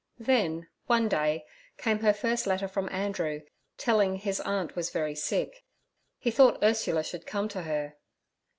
Then, one day, came her first letter from Andrew, telling his aunt was very sick; he thought Ursula should come to her.